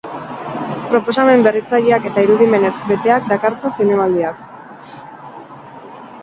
Proposamen berritzaileak eta irudimenez beteak dakartza zinemaldiak.